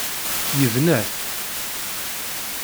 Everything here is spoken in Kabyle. Yebna-t.